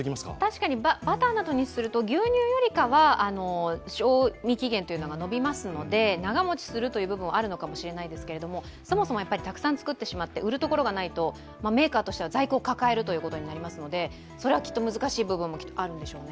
バターなどにすると牛乳よりかは賞味期限とか延びますので長持ちするという部分はあるのかもしれないですけどそもそもたくさん作ってしまって売るところがないとメーカーとしては在庫を架かることになりますのでそれは、きっと難しい部分もあるんでしょうね。